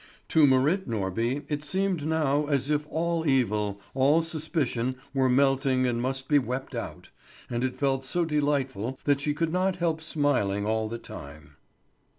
To Marit Norby it seemed now as if all evil, all suspicion were melting and must be wept out; and it felt so delightful that she could not help smiling all the time.